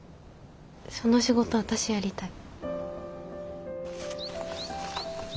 その仕事私やりたい。